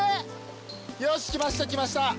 よしきましたきました。